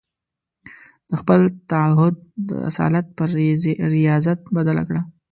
د خپل تعهد د اصالت پر رياضت بدله کړه.